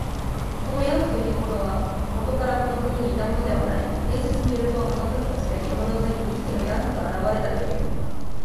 このヤーフというものは、もとからこの国にいたものではない。伝説によると、あるとき、突然、山の上に二匹のヤーフが現れたという。